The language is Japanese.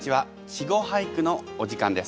「稚語俳句」のお時間です。